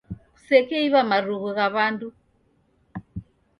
Kusekeiw'a marughu gha w'andu